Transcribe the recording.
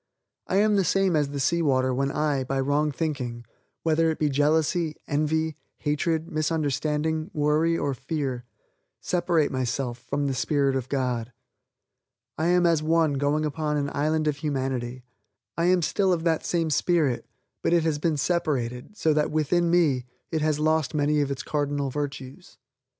I am the same as the sea water when I, by wrong thinking: whether it be jealousy, envy, hatred, misunderstanding, worry or fear separate myself from the spirit of God. I am as one going upon an island of humanity. I am still of that same spirit; but it has been separated, so that within me, it has lost many of its cardinal virtues.